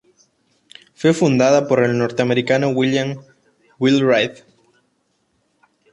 Fue fundada por el norteamericano William Wheelwright.